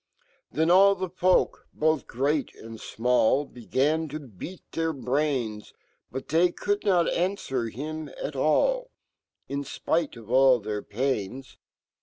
" Then all fhe folk, bofh great and final 1, Began to beat fheir brain j, Butfhoy could not anfwer him at all, In fpitc of all fhe/ir pain*.